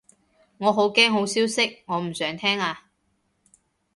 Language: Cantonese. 我好驚好消息，我唔想聽啊